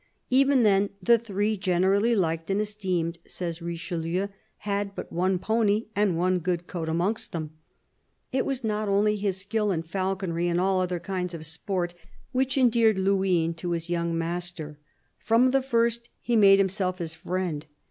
Even then the three, generally liked and esteemed, says Richelieu, had but one pony and one good coat amongst them. It was not only his skill in falconry and all other kinds of sport which endeared Luynes to his young master 84 CARDINAL DE RICHELIEU From the first he made himself his friend.